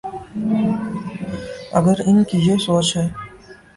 اگر ان کی یہ سوچ ہے۔